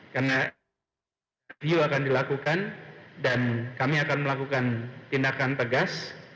karena review akan dilakukan dan kami akan melakukan tindakan tegas